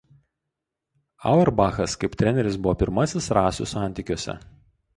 Auerbachas kaip treneris buvo pirmasis rasių santykiuose.